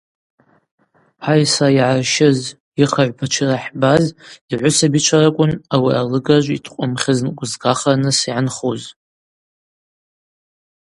Айсра йгӏарщыз, йыхыгӏв пачва йрахӏбаз, йгӏвысабичва ракӏвын ауи алыгажв йткъвымхьыз нкъвызгахырныс йгӏанхуз.